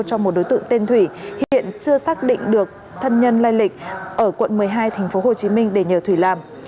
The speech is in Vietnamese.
cho một đối tượng tên thủy hiện chưa xác định được thân nhân lây lịch ở quận một mươi hai tp hcm để nhờ thủy làm